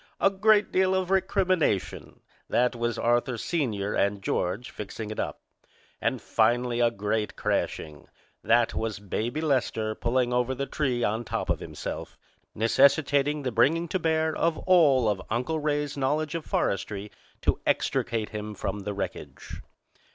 A great deal of recrimination! That was Arthur, Sr., and George fixing it up. And finally a great crashing! That was Baby Lester pulling over the tree on top of himself, necessitating the bringing to bear of all of Uncle Ray's knowledge of forestry to extricate him from the wreckage.